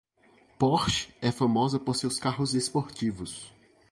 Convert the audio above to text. Porsche é famosa por seus carros esportivos.